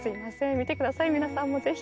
見て下さい皆さんもぜひ。